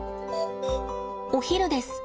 お昼です。